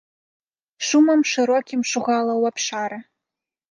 Шумам шырокім шугала ў абшары.